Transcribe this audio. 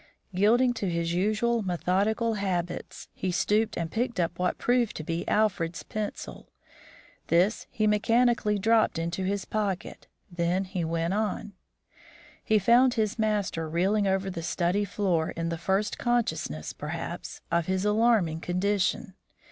Yielding to his usual methodical habits, he stooped and picked up what proved to be Alfred's pencil. This he mechanically dropped into his pocket, then he went on. He found his master reeling over the study floor in the first consciousness, perhaps, of his alarming condition.